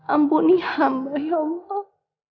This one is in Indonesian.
ampuni hamba ya allah